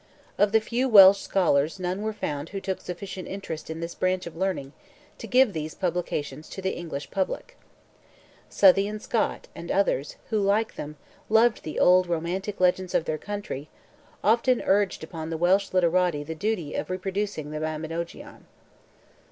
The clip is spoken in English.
Of the few Welsh scholars none were found who took sufficient interest in this branch of learning to give these productions to the English public. Southey and Scott, and others, who like them, loved the old romantic legends of their country, often urged upon the Welsh literati the duty of reproducing the Mabinogeon.